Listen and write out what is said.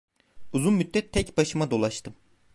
Uzun müddet tek başıma dolaştım.